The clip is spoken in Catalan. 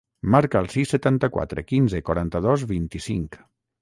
Marca el sis, setanta-quatre, quinze, quaranta-dos, vint-i-cinc.